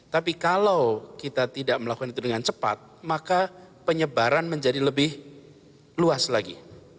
tapi kalau kita tidak melakukan itu dengan cepat maka penyebaran menjadi lebih luas lagi